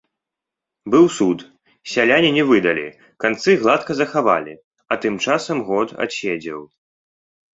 Быў суд, сяляне не выдалі, канцы гладка захавалі, а тым часам год адседзеў.